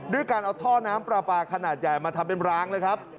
ด้วยการเอาท่อน้ำปลาปลาขนาดใหญ่มาทำเป็นรางเลยครับ